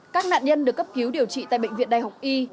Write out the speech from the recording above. các nạn nhân được cấp cứu điều trị tại bệnh viện đại học y